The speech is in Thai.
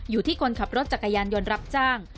อยู่ที่คนขับรถจักรยานยนต์รับจ้าง